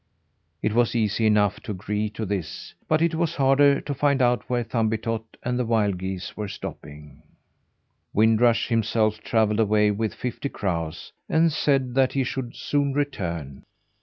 It was easy enough to agree to this; but it was harder to find out where Thumbietot and the wild geese were stopping. Wind Rush himself travelled away with fifty crows, and said that he should soon return.